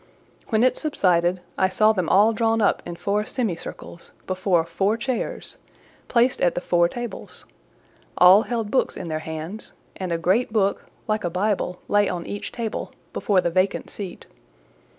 When it subsided, I saw them all drawn up in four semicircles, before four chairs, placed at the four tables; all held books in their hands, and a great book, like a Bible, lay on each table, before the vacant seat.